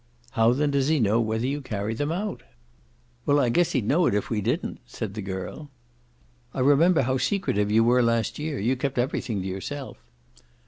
"How then does he know whether you carry them out?" "Well, I guess he'd know it if we didn't," said the girl. "I remember how secretive you were last year. You kept everything to yourself."